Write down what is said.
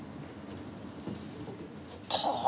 はあ！